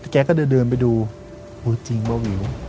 แกก็เดินไปดูจริงว่าวิว